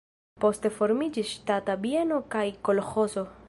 Poste formiĝis ŝtata bieno kaj kolĥozo.